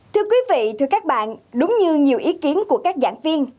thưa quý vị thưa các bạn đúng như nhiều ý kiến của các giảng viên